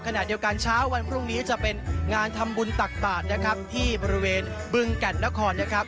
ขณะเดียวกันเช้าวันพรุ่งนี้จะเป็นงานทำบุญตักบาทนะครับที่บริเวณบึงแก่นนครนะครับ